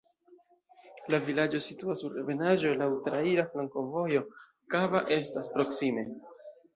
La vilaĝo situas sur ebenaĵo, laŭ traira flankovojo, Kaba estas proksime.